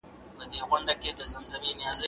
خواړه د ژوند ملګري دي.